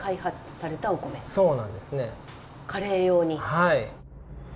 はい。